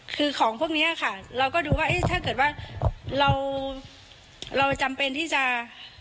คือของพวกนี้ค่ะเราก็ดูว่าเอ๊ะถ้าเกิดว่าเราเราจำเป็นที่จะ